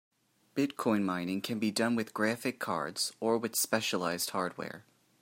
Bitcoin mining can be done with graphic cards or with specialized hardware.